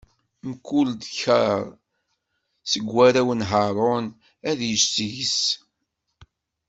Mkul ddkeṛ seg warraw n Haṛun ad yečč seg-s.